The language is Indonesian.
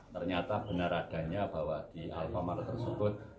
ternyata benar adanya bahwa di alfamart tersebut